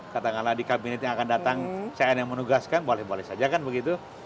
kata kala di kabinet yang akan datang saya ada yang menugaskan boleh boleh saja kan begitu